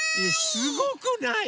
すごくないよ。